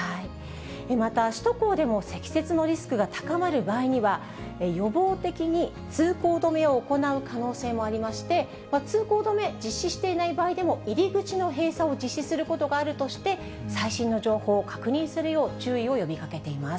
また首都高でも積雪のリスクが高まる場合には、予防的に通行止めを行う可能性もありまして、通行止め、実施していない場合でも、入り口の閉鎖を実施することがあるとして、最新の情報を確認するよう注意を呼びかけています。